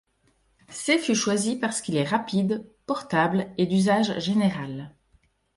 C fut choisi parce qu'il est rapide, portable et d'usage général.